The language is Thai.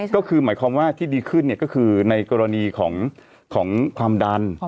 ก็คือหมายความว่าที่ดีขึ้นก็คือในกรณีของความดัน